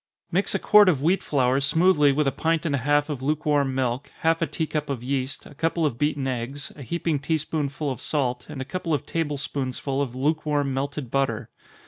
_ Mix a quart of wheat flour smoothly with a pint and a half of lukewarm milk, half a tea cup of yeast, a couple of beaten eggs, a heaping tea spoonsful of salt, and a couple of table spoonsful of lukewarm melted butter.